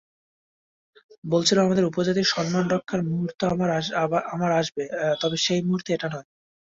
বলেছিলেন আমাদের উপজাতির সম্মান রক্ষার মুহূর্ত আমার আসবে, তবে সেই মুহূর্ত এটা নয়।